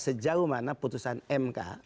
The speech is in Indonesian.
sejauh mana putusan mk